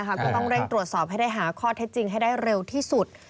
ก็ต้องเร่งตรวจสอบให้ได้หาข้อเท็จจริงให้ได้เร็วที่สุด